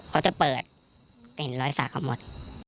เขาจะเปิดเป็นรอยสักเขาหมด